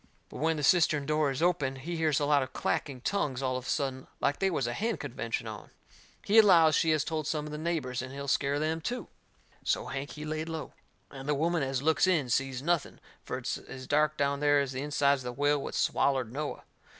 But when the cistern door is opened, he hears a lot of clacking tongues all of a sudden like they was a hen convention on. He allows she has told some of the neighbours, and he'll scare them too. So Hank, he laid low. And the woman as looks in sees nothing, for it's as dark down there as the insides of the whale what swallered Noah.